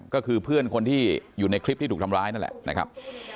ก็คือเพื่อนคนที่อยู่ในคลิปที่ถูกทำร้ายนั่นแหละนะครับ